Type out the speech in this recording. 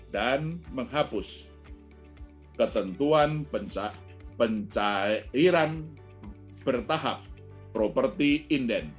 dan menghapus ketentuan pencairan bertahap properti inden